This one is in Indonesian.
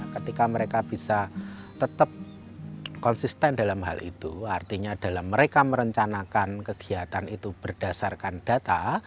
ketika mereka bisa tetap konsisten dalam hal itu artinya dalam mereka merencanakan kegiatan itu berdasarkan data